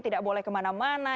tidak boleh kemana mana